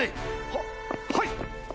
はっはい！